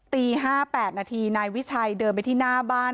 ตี๕๘นาทีนายวิชัยเดินไปที่หน้าบ้าน